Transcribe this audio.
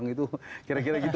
itu kira kira gitu